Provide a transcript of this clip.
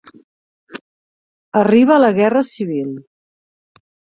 Arriba la Guerra Civil.